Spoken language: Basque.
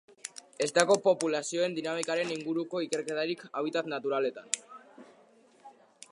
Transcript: Ez dago populazioen dinamikaren inguruko ikerketarik habitat naturaletan.